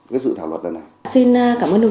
cái dự thảo luật này này xin cảm ơn đồng